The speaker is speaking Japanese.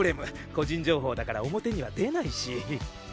個人情報だから表には出ないし。